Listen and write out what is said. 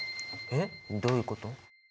えっどういうこと！？